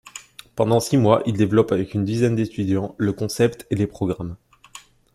Pendant six mois, il développe avec une dizaine d'étudiants le concept et les programmes.